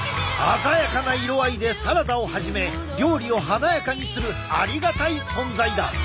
鮮やかな色合いでサラダをはじめ料理を華やかにするありがたい存在だ。